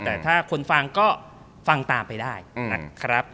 แต่ถ้าคนฟังก็ฟังตามไปได้นะครับ